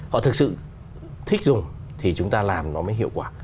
họ thực sự thích dùng thì chúng ta làm nó mới hiệu quả